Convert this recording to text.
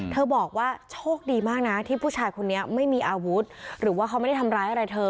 บอกว่าโชคดีมากนะที่ผู้ชายคนนี้ไม่มีอาวุธหรือว่าเขาไม่ได้ทำร้ายอะไรเธอ